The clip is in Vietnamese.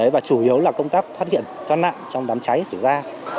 và chủ yếu là công tác phát hiện thoát nạn trong đám cháy xảy ra